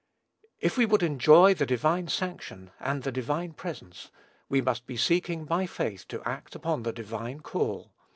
If we would enjoy the divine sanction and the divine presence, we must be seeking by faith to act upon the divine call.